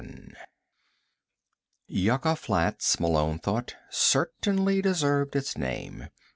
VII Yucca Flats, Malone thought, certainly deserved its name.